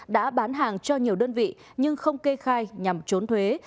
đã bán hàng cho nhiều đơn vị nhưng không kê khai nhằm trốn thuế